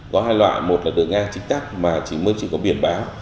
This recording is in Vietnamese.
có hai loại một là đường ngang chính cắt mà chín mươi chỉ có biển báo